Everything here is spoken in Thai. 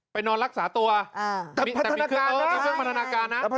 นอนรักษาตัวแต่เครื่องพันธนาการนะ